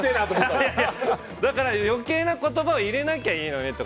余計な言葉を入れなきゃいいのに。